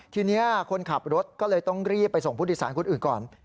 ทีนี้คนขับรถก็เลยต้องรีบไปส่งผู้โดยสารคนอื่นก่อน